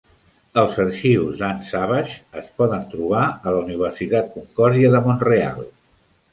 Els arxius d'Anne Savage es poden trobar a la Universitat Concordia de Montreal.